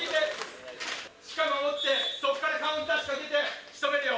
しっかり守って、そこからカウンター仕掛けて、しとめるよ。